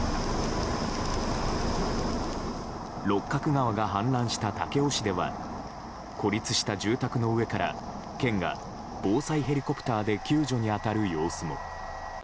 六角川が氾濫した武雄市では孤立した住宅の上から県が防災ヘリコプターで救助に当たる様子も。